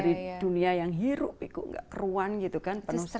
di dunia yang hirup ikut enggak keruan gitu kan penuh stres